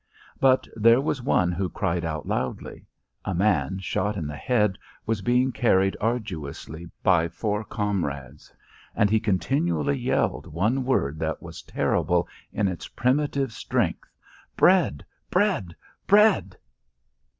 But there was one who cried out loudly. A man shot in the head was being carried arduously by four comrades, and he continually yelled one word that was terrible in its primitive strength, "Bread! Bread! Bread!"